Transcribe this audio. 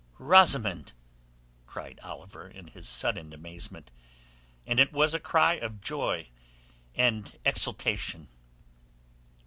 "Rosamund!" cried Oliver in his sudden amazement—and it was a cry of joy and exultation.